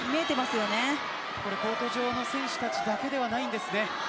コート上の選手たちだけではないんですね。